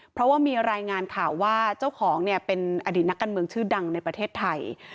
เพราะว่ามีรายงานข่าวว่าเจ้าของเนี่ยเป็นอดีตนักการเมืองชื่อดังในประเทศไทย